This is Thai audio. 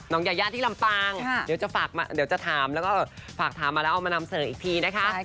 ยายาที่ลำปางเดี๋ยวจะถามแล้วก็ฝากถามมาแล้วเอามานำเสนออีกทีนะคะ